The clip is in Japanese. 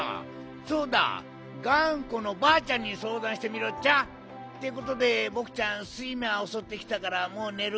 そうだがんこのばあちゃんにそうだんしてみるっちゃ。ってことでぼくちゃんすいまおそってきたからもうねる。